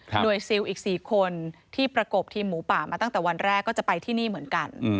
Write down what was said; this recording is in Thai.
หน่วยซิลอีก๔คนที่ประกบทีมหมูป่ามาตั้งแต่วันแรกก็จะไปที่นี่เหมือนกัน